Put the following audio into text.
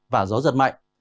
và gió giật mạnh